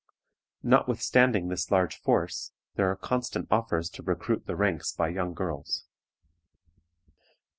Notwithstanding this large force, there are constant offers to recruit the ranks by young girls.